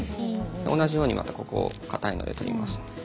同じようにまたここをかたいので取ります。